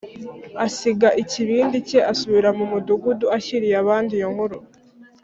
. Asiga ikibindi cye, asubira mu mudugudu, ashyiriye abandi iyo nkuru.